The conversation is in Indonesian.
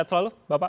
sehat selalu bapak